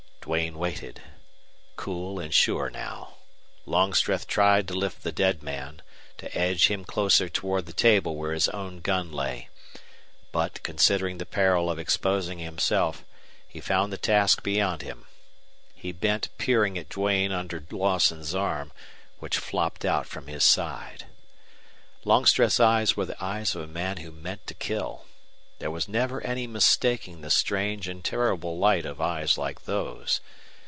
Duane waited, cool and sure now. Longstreth tried to lift the dead man, to edge him closer toward the table where his own gun lay. But, considering the peril of exposing himself, he found the task beyond him. He bent peering at Duane under Lawson's arm, which flopped out from his side. Longstreth's eyes were the eyes of a man who meant to kill. There was never any mistaking the strange and terrible light of eyes like those.